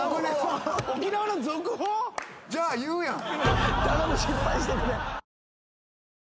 じゃあ言うやん。